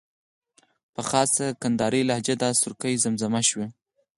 په خاصه کندارۍ لهجه دا سروکی زمزمه شوی وای.